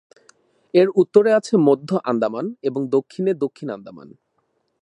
এর উত্তরে আছে মধ্য আন্দামান, এবং দক্ষিণে দক্ষিণ আন্দামান।